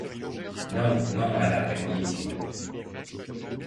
Non, non, madame, répondit-il.